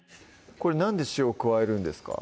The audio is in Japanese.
これなんで塩を加えるんですか？